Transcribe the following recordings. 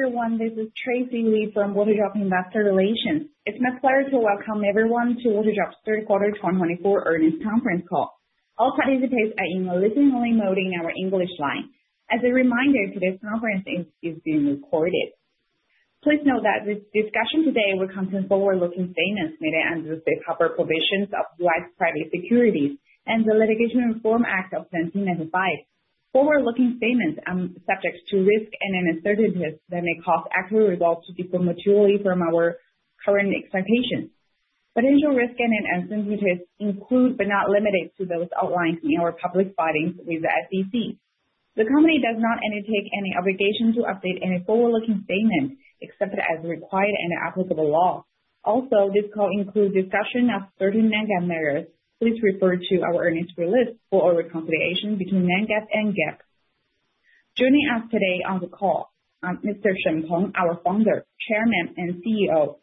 Everyone, this is Tracy Li from Waterdrop Investor Relations. It's my pleasure to welcome everyone to Waterdrop's Third Quarter 2024 earnings conference call. All participants are in a listening-only mode in our English line. As a reminder, today's conference is being recorded. Please note that this discussion today will contain forward-looking statements made under the safe harbor provisions of the U.S. Private Securities Litigation Reform Act of 1995. Forward-looking statements are subject to risk and uncertainties that may cause actual results to differ materially from our current expectations. Potential risk and uncertainties include but are not limited to those outlined in our public filings with the SEC. The company does not undertake any obligation to update any forward-looking statement except as required by applicable law. Also, this call includes discussion of certain Non-GAAP matters. Please refer to our earnings release for a reconciliation between Non-GAAP and GAAP. Joining us today on the call are Mr. Peng Shen, our founder, chairman, and CEO,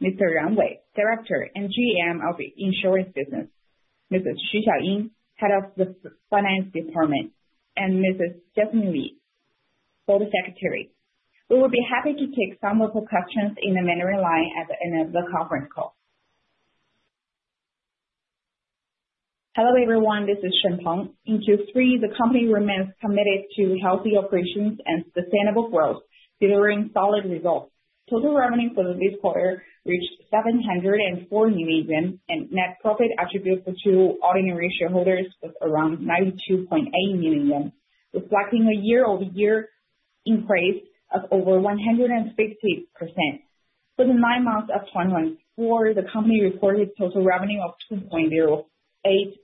Mr. Ran Wei, director and GM of the insurance business, Mrs. Xiaojiao Cui, head of the finance department, and Mrs. Stephanie Lee, board secretary. We will be happy to take some of your questions in the mandatory line at the end of the conference call. Hello everyone, this is Shen Peng. In Q3, the company remains committed to healthy operations and sustainable growth, delivering solid results. Total revenue for this quarter reached 704 million, and net profit attributed to ordinary shareholders was around 92.8 million, reflecting a year-over-year increase of over 150%. For the nine months of 2024, the company reported total revenue of 2.08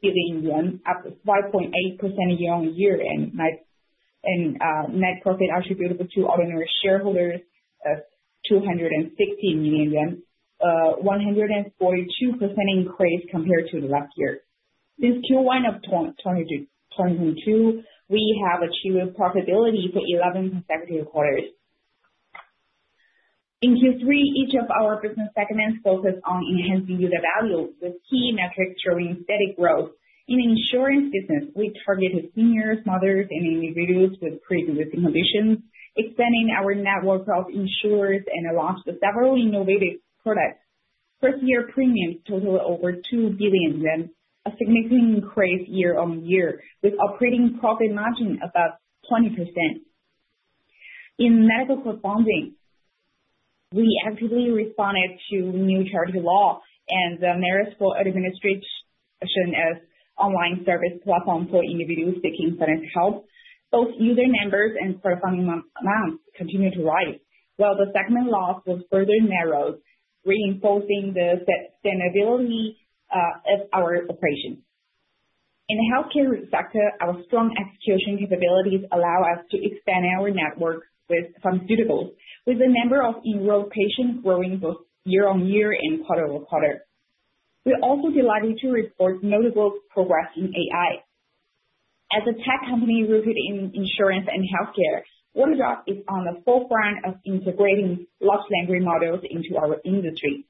billion yuan, up 5.8% year-over-year, and net profit attributed to ordinary shareholders of CNY 260 million, a 142% increase compared to the last year. Since Q1 of 2022, we have achieved profitability for 11 consecutive quarters. In Q3, each of our business segments focused on enhancing the value with key metrics showing steady growth. In the insurance business, we targeted seniors, mothers, and individuals with pre-existing conditions, expanding our network of insurers and launched several innovative products. First-year premiums totaled over CNY 2 billion, a significant increase year-on-year, with operating profit margin above 20%. In medical crowdfunding, we actively responded to new Charity Law and the requirements for administration as an online service platform for individuals seeking financial help. Both user numbers and corresponding amounts continued to rise, while the segment loss was further narrowed, reinforcing the sustainability of our operations. In the healthcare sector, our strong execution capabilities allow us to expand our network with some CROs, with the number of enrolled patients growing both year-on-year and quarter-over-quarter. We're also delighted to report notable progress in AI. As a tech company rooted in insurance and healthcare, WaterDrop is on the forefront of integrating large language models into our industry.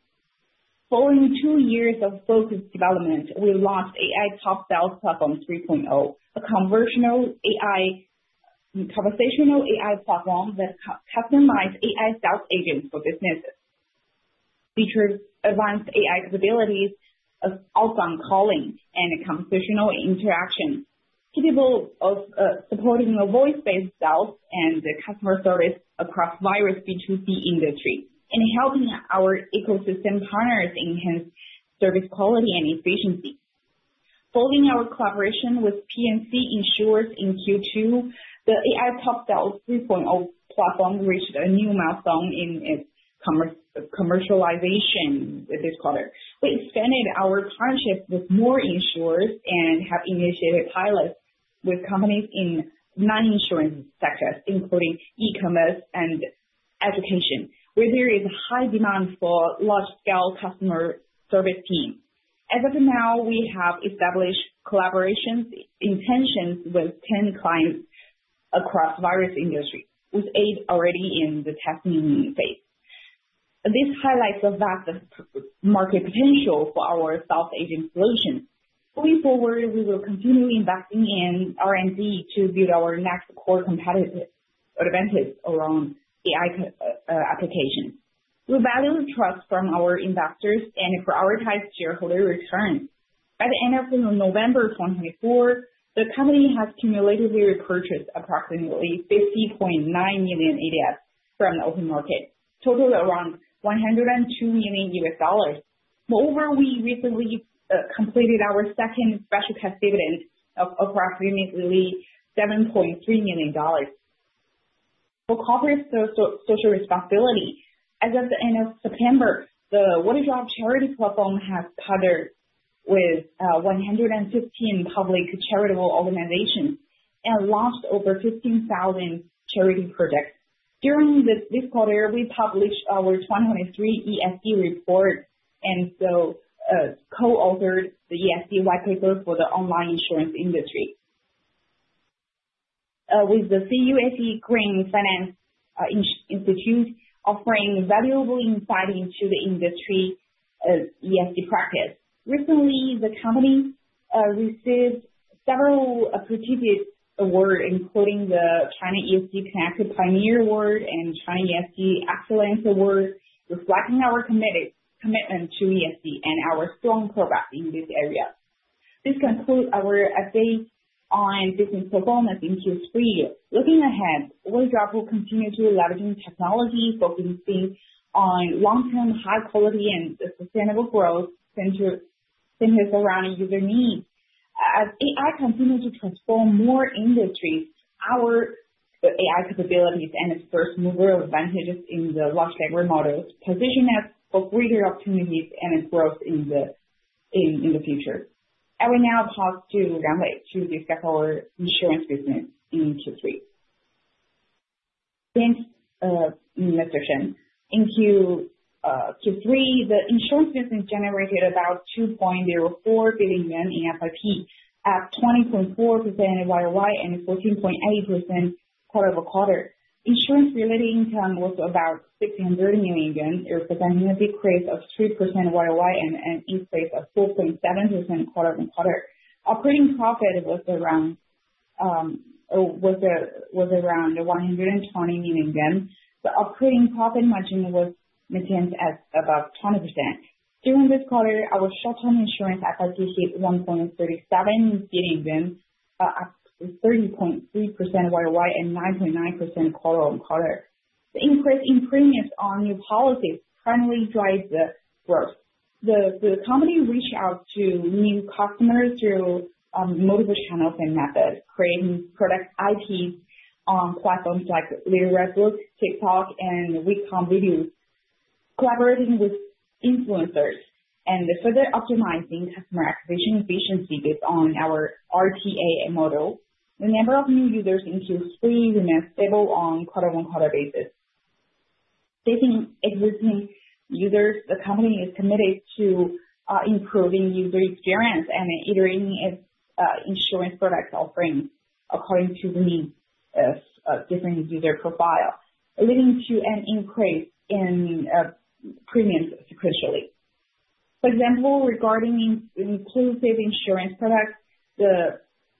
Following two years of focused development, we launched AI Top Sales Platform 3.0, a conversational AI platform that customizes AI sales agents for businesses. It features advanced AI capabilities of outbound calling and conversational interaction, capable of supporting a voice-based sales and customer service across various B2C industries, and helping our ecosystem partners enhance service quality and efficiency. Following our collaboration with P&C Insurers in Q2, the AI Top Sales 3.0 platform reached a new milestone in its commercialization this quarter. We expanded our partnership with more insurers and have initiated pilots with companies in non-insurance sectors, including e-commerce and education, where there is a high demand for large-scale customer service teams. As of now, we have established collaboration intentions with 10 clients across various industries, with 8 already in the testing phase. This highlights the vast market potential for our sales agent solutions. Going forward, we will continue investing in R&D to build our next core competitive advantage around AI applications. We value the trust from our investors and prioritize shareholder returns. By the end of November 2024, the company has cumulatively purchased approximately 50.9 million ADS from the open market, totaling around $102 million. Moreover, we recently completed our second special cash dividend of approximately $7.3 million. For corporate social responsibility, as of the end of September, the Waterdrop Charity Platform has partnered with 115 public charitable organizations and launched over 15,000 charity projects. During this quarter, we published our 2023 ESG report and co-authored the ESG white paper for the online insurance industry, with the International Institute of Green Finance (IIGF) offering valuable insight into the industry's ESG practice. Recently, the company received several appreciated awards, including the China ESG Connected Pioneer Award and China ESG Excellence Award, reflecting our commitment to ESG and our strong progress in this area. This concludes our update on business performance in Q3. Looking ahead, WaterDrop will continue to leverage technology, focusing on long-term high-quality and sustainable growth centered around user needs. As AI continues to transform more industries, our AI capabilities and its first-mover advantages in the large language models position us for greater opportunities and growth in the future. I will now pass to Ran Wei to discuss our insurance business in Q3. Thanks, Mr. Shen. In Q3, the insurance business generated about 2.04 billion yuan in FIP, at 20.4% YOY and 14.8% quarter-over-quarter. Insurance-related income was about 600 million, representing a decrease of 3% YOY and an increase of 4.7% quarter-over-quarter. Operating profit was around CNY 120 million, but operating profit margin was maintained at about 20%. During this quarter, our short-term insurance FIP hit 1.37 billion, up 30.3% YOY and 9.9% quarter-over-quarter. The increase in premiums on new policies primarily drives the growth. The company reached out to new customers through multiple channels and methods, creating product IPs on platforms like Little Red Book, TikTok, and WeCom videos, collaborating with influencers, and further optimizing customer acquisition efficiency based on our RTA model. The number of new users in Q3 remained stable on quarter-over-quarter basis. Taking existing users, the company is committed to improving user experience and iterating its insurance product offerings according to the needs of different user profiles, leading to an increase in premiums sequentially. For example, regarding inclusive insurance products,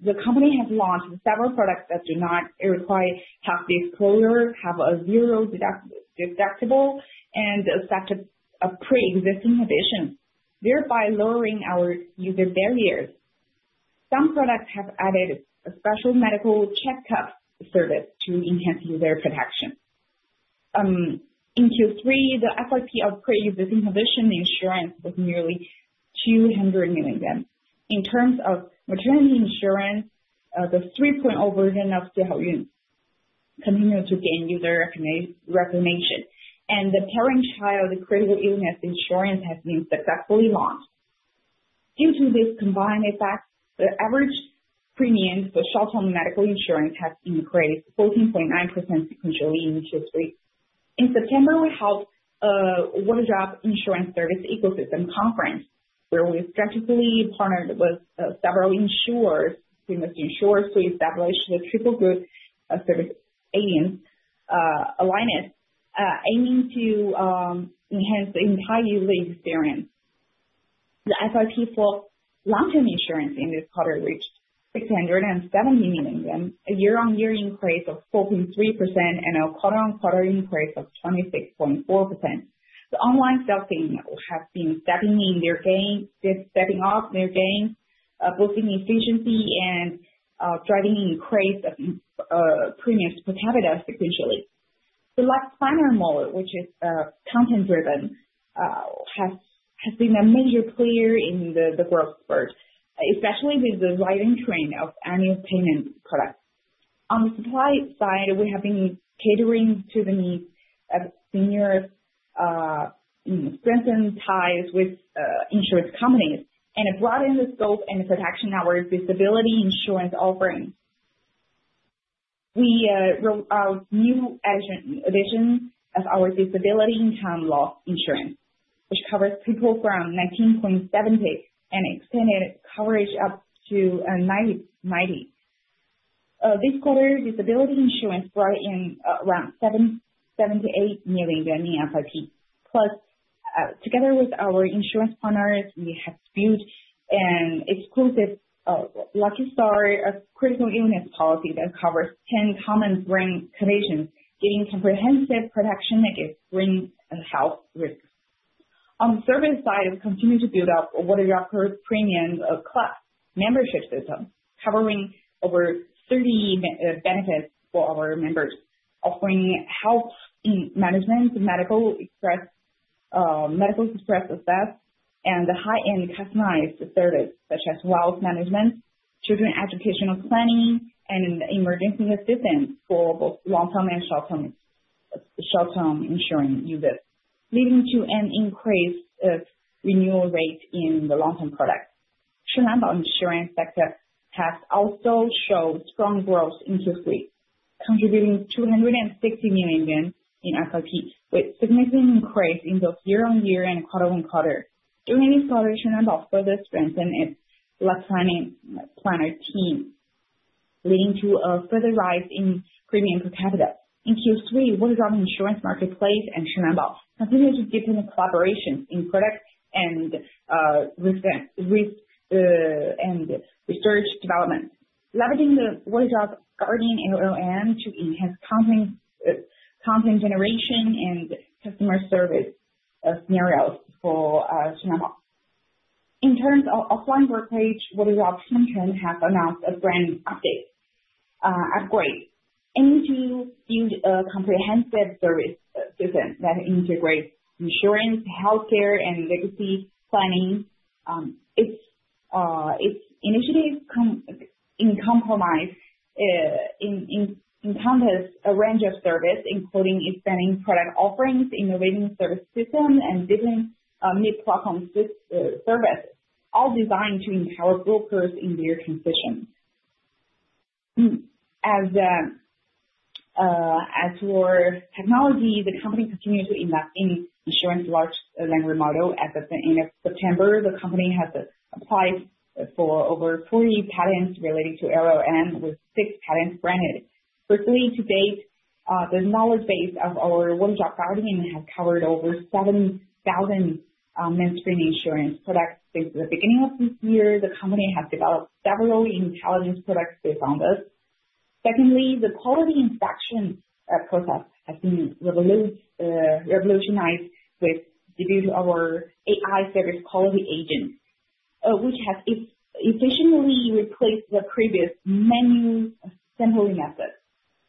the company has launched several products that do not require health disclosure, have a zero deductible, and accept a pre-existing condition, thereby lowering our user barriers. Some products have added a special medical checkup service to enhance user protection. In Q3, the FIP of pre-existing condition insurance was nearly CNY 200 million. In terms of maternity insurance, the 3.0 version of Xiao Xing Cui's continued to gain user recognition, and the parent-child critical illness insurance has been successfully launched. Due to this combined effect, the average premiums for short-term medical insurance have increased 14.9% sequentially in Q3. In September, we held the WaterDrop Insurance Service Ecosystem Conference, where we strategically partnered with several insurers to establish the triple-group service alliance, aiming to enhance the entire user experience. The FIP for long-term insurance in this quarter reached 670 million, a year-on-year increase of 4.3%, and a quarter-on-quarter increase of 26.4%. The online sales team has been stepping in their game, stepping up their game, boosting efficiency and driving an increase of premiums per capita sequentially. The last final model, which is content-driven, has been a major player in the growth spurt, especially with the rising trend of annual payment products. On the supply side, we have been catering to the needs of seniors, strengthening ties with insurance companies, and broadening the scope and protection of our disability insurance offerings. We rolled out new additions of our disability income loss insurance, which covers people from 19.7% and extended coverage up to 90%. This quarter, disability insurance brought in around 78 million yuan in FIP. Plus, together with our insurance partners, we have built an exclusive lucky star critical illness policy that covers 10 common brain conditions, giving comprehensive protection against brain health risks. On the service side, we continue to build up Waterdrop Premium Club membership system, covering over 30 benefits for our members, offering health management, medical express assessment, and high-end customized services such as wealth management, children's educational planning, and emergency assistance for both long-term and short-term insuring users, leading to an increase of renewal rates in the long-term products. Shenlanbao Insurance Sector has also shown strong growth in Q3, contributing CNY 260 million in FIP, with a significant increase in both year-on-year and quarter-on-quarter. During this quarter, Shenlanbao further strengthened its planning partner team, leading to a further rise in premiums per capita. In Q3, Waterdrop Insurance Marketplace and Shenlanbao continued to deepen their collaborations in product and research development, leveraging the Waterdrop Guardian LLM to enhance content generation and customer service scenarios for Shenlanbao. In terms of offline workplace, Waterdrop Xingchen has announced a brand update upgrade, aiming to build a comprehensive service system that integrates insurance, healthcare, and legacy planning. Its initiative encompasses a range of services, including expanding product offerings, innovating service systems, and different mid-platform services, all designed to empower brokers in their transition. As for technology, the company continues to invest in insurance large language models. As of the end of September, the company has applied for over 40 patents related to LLMs, with six patents granted. Firstly, to date, the knowledge base of our WaterDrop Guardian has covered over 7,000 mainstream insurance products. Since the beginning of this year, the company has developed several intelligent products based on this. Secondly, the quality inspection process has been revolutionized, due to our AI service quality agent, which has efficiently replaced the previous manual sampling method.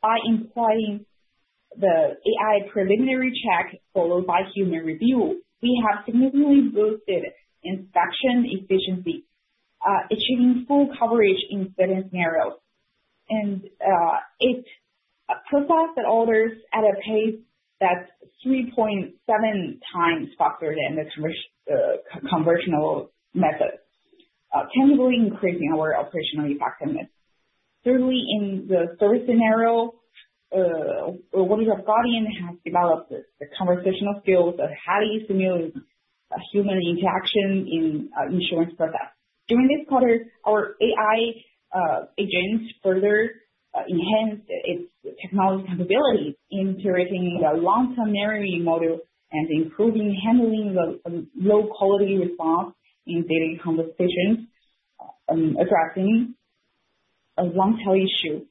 By employing the AI preliminary check followed by human review, we have significantly boosted inspection efficiency, achieving full coverage in certain scenarios, and it's a process that orders at a pace that's 3.7 times faster than the conventional method, tangibly increasing our operational effectiveness. Thirdly, in the service scenario, WaterDrop Guardian has developed the conversational skills of how to simulate human interaction in insurance processes. During this quarter, our AI agent further enhanced its technology capabilities, integrating the long-term narrative model and improving handling of low-quality response in daily conversations, addressing a long-tail issue.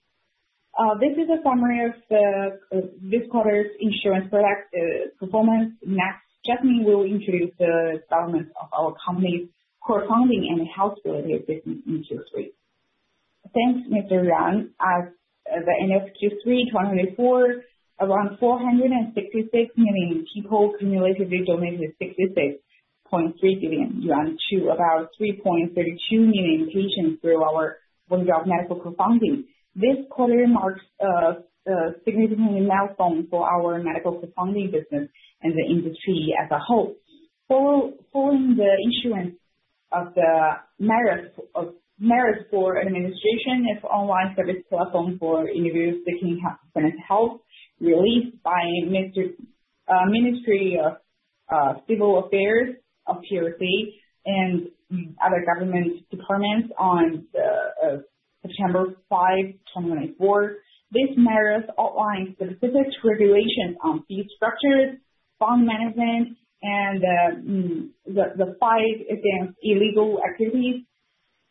This is a summary of this quarter's insurance product performance. Next, Guang Yang will introduce the developments of our company's core funding and health-related business in Q3. Thanks, Mr. Ran. As of the end of Q3 2024, around 466 million people cumulatively donated 66.3 billion yuan to about 3.32 million patients through our WaterDrop medical co-funding. This quarter marks a significant milestone for our medical co-funding business and the industry as a whole. Following the issuance of the Measures for administration of online service platform for individuals seeking health, released by the Ministry of Civil Affairs of the PRC and other government departments on September 5, 2024, this Measures outlines specific regulations on fee structures, fund management, and the fight against illegal activities,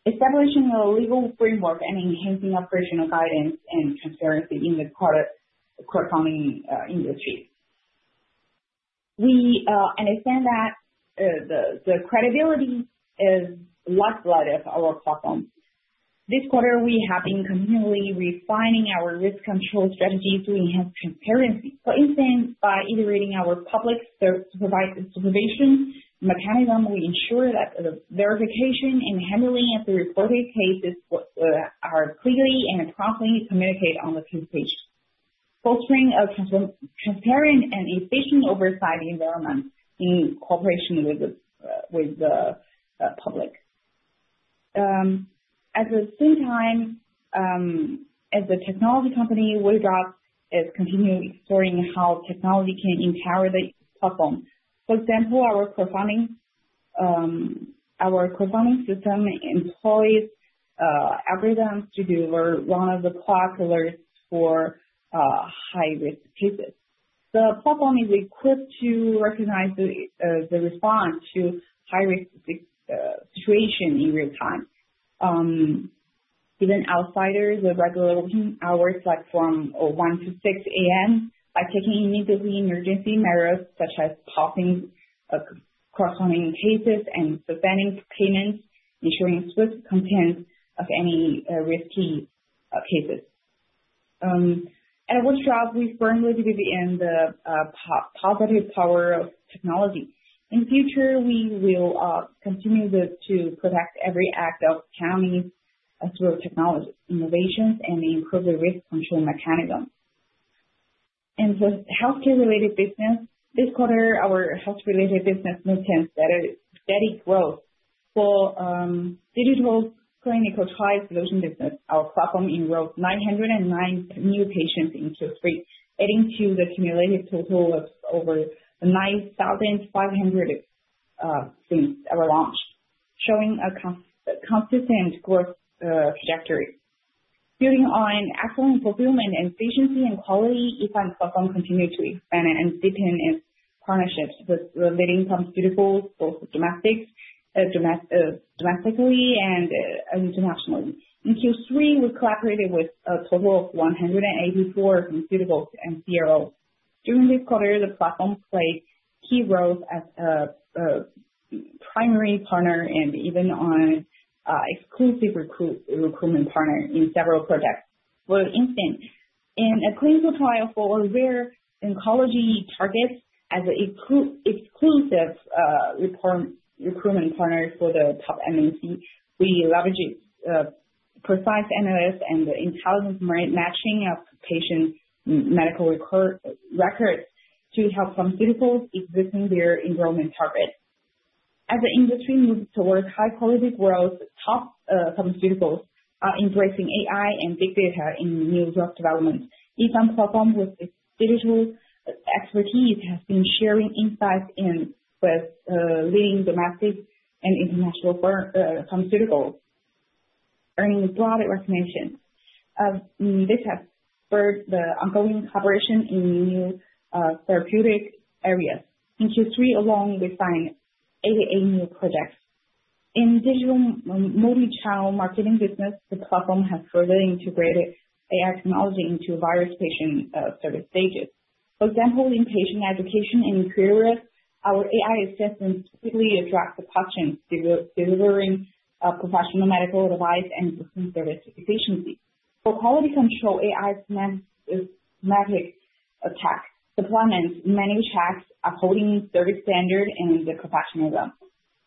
establishing a legal framework, and enhancing operational guidance and transparency in the crowdfunding industry. We understand that the credibility is the lifeblood of our platform. This quarter, we have been continually refining our risk control strategies to enhance transparency. For instance, by iterating our public supervision mechanism, we ensure that the verification and handling of the reported cases are clearly and promptly communicated on the platform, fostering a transparent and efficient oversight environment in cooperation with the public. At the same time, as a technology company, WaterDrop is continually exploring how technology can empower the platform. For example, our co-funding system employs algorithms to deliver round-the-clock alerts for high-risk cases. The platform is equipped to recognize the response to high-risk situations in real time. Even outside of regular working hours like from 1:00 A.M. to 6:00 A.M. are taking immediate emergency measures, such as pausing crowdfunding cases and suspending payments, ensuring swift containment of any risky cases. At WaterDrop, we firmly believe in the positive power of technology. In the future, we will continue to protect every act of kindness through technological innovations and improve the risk control mechanism. In the healthcare-related business, this quarter, our health-related business maintained steady growth. For digital clinical trial solution business, our platform enrolled 909 new patients in Q3, adding to the cumulative total of over 9,500 since our launch, showing a consistent growth trajectory. Building on excellent fulfillment and efficiency and quality, Yi Fan platform continues to expand and deepen its partnerships with leading pharmaceuticals, both domestically and internationally. In Q3, we collaborated with a total of 184 pharmaceuticals and CROs. During this quarter, the platform played key roles as a primary partner and even an exclusive recruitment partner in several projects. For instance, in a clinical trial for rare oncology targets as an exclusive recruitment partner for the top MNC, we leveraged precise analytics and intelligent matching of patients' medical records to help pharmaceuticals exceed their enrollment target. As the industry moves towards high-quality growth, top pharmaceuticals are embracing AI and big data in new drug development. Yi Fan platform, with its digital expertise, has been sharing insights with leading domestic and international pharmaceuticals, earning broad recognition. This has spurred the ongoing collaboration in new therapeutic areas. In Q3, we signed 88 new projects. In the digital multi-channel marketing business, the platform has further integrated AI technology into various patient service stages. For example, in patient education and care, our AI assistants quickly attract the patients, delivering professional medical advice and improving service efficiency. For quality control, AI semantic analysis supplements manual checks, upholding service standards and professionalism.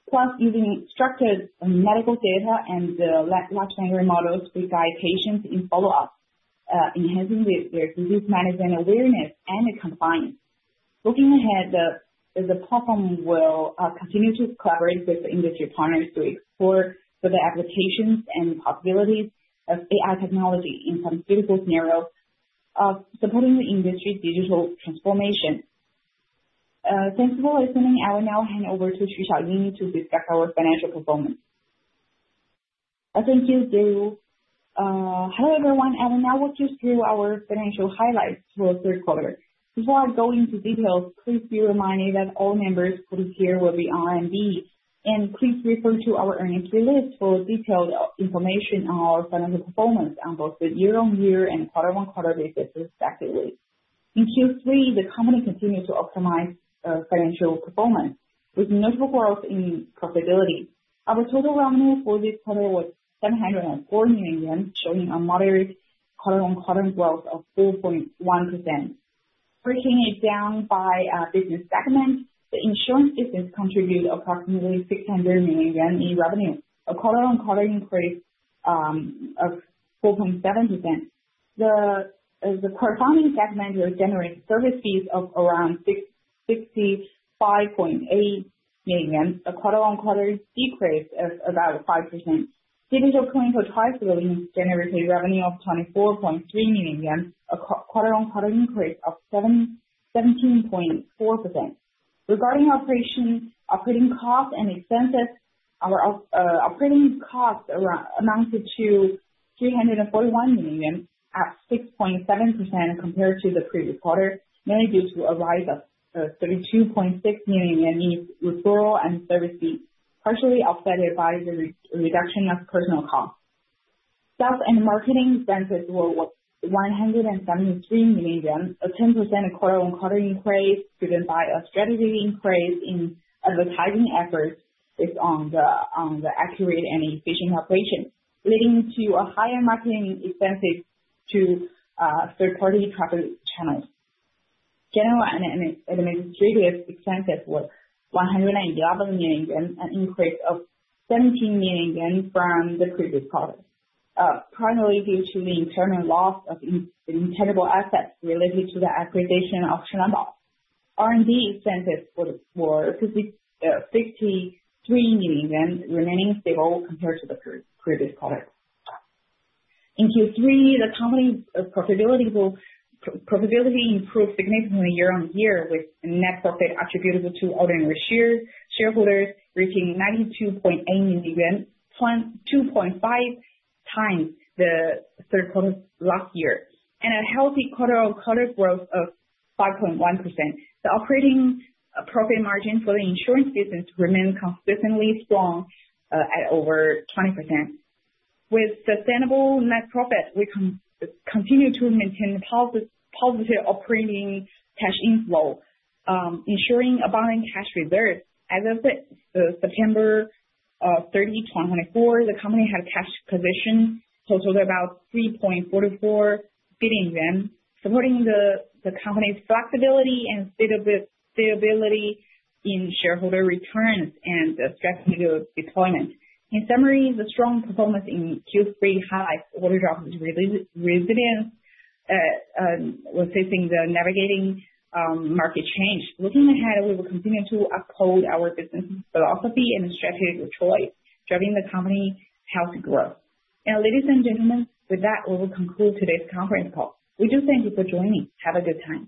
Plus, using structured medical data and large language models, we guide patients in follow-up, enhancing their disease management awareness and compliance. Looking ahead, the platform will continue to collaborate with industry partners to explore further applications and possibilities of AI technology in pharmaceutical scenarios, supporting the industry's digital transformation. Thanks for listening. I will now hand over to Xiaojiao Cui and Guang Yang to discuss our financial performance. Thank you, Xiaojiao. Hello everyone. I will now walk you through our financial highlights for the third quarter. Before I go into details, please be reminded that all participants will be on record. Please refer to our earnings release for detailed information on our financial performance on both the year-on-year and quarter-on-quarter basis, respectively. In Q3, the company continued to optimize financial performance, with notable growth in profitability. Our total revenue for this quarter was CNY 704 million, showing a moderate quarter-on-quarter growth of 4.1%. Breaking it down by business segment, the insurance business contributed approximately CNY 600 million in revenue, a quarter-on-quarter increase of 4.7%. The core funding segment generated service fees of around 65.8 million, a quarter-on-quarter decrease of about 5%. Digital clinical trial solutions generated revenue of CNY 24.3 million, a quarter-on-quarter increase of 17.4%. Regarding operating costs and expenses, our operating costs amounted to 341 million at 6.7% compared to the previous quarter, mainly due to a rise of 32.6 million in referral and service fees, partially offset by the reduction of personal costs. Sales and marketing expenses were CNY 173 million, a 10% quarter-on-quarter increase, driven by a strategic increase in advertising efforts based on the accurate and efficient operations, leading to a higher marketing expenses to third-party traffic channels. General and administrative expenses were CNY 111 million, an increase of CNY 17 million from the previous quarter, primarily due to the internal loss of intangible assets related to the acquisition of Shenlanbao. R&D expenses were 63 million, remaining stable compared to the previous quarter. In Q3, the company's profitability improved significantly year-on-year, with net profit attributable to ordinary shareholders, reaching 92.8 million yuan, 2.5 times the third quarter last year, and a healthy quarter-on-quarter growth of 5.1%. The operating profit margin for the insurance business remained consistently strong at over 20%. With sustainable net profit, we continue to maintain a positive operating cash inflow, ensuring abundant cash reserves. As of September 30, 2024, the company had a cash position totaled about 3.44 billion yuan, supporting the company's flexibility and stability in shareholder returns and strategic deployment. In summary, the strong performance in Q3 highlights WaterDrop's resilience in facing the navigating market change. Looking ahead, we will continue to uphold our business philosophy and strategic choice, driving the company's healthy growth. And ladies and gentlemen, with that, we will conclude today's conference call. We do thank you for joining. Have a good time.